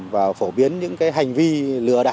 và phổ biến những cái hành vi lừa đẩy